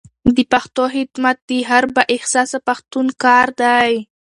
د پښتو خدمت د هر با احساسه پښتون کار دی.